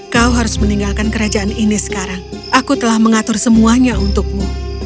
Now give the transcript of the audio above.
kau harus meninggalkan kerajaan ini sekarang aku telah mengatur semuanya untukmu